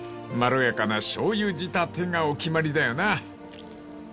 ［まろやかなしょうゆ仕立てがお決まりだよな］